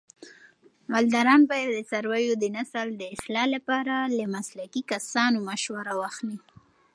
مالداران باید د څارویو د نسل د اصلاح لپاره له مسلکي کسانو مشوره واخلي.